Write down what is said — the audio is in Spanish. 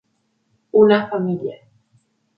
Una familia.